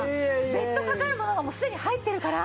別途かかるものがもうすでに入ってるから。